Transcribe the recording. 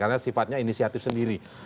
karena sifatnya inisiatif sendiri